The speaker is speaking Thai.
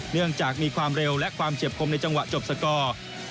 เนื่องจากมีความเร็วและความเฉียบคมในจังหวะจบสกอร์